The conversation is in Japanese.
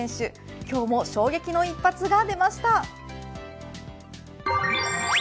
今日も衝撃の一発が出ました。